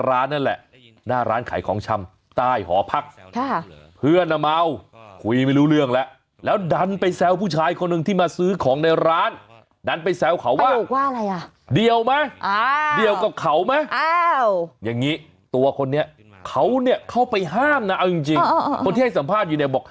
อ่ะใช้คำนี้ก่อนนะแต่งตัวคล้ายกู้ภัย